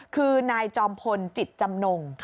คือนายจอมพลจิตจำนง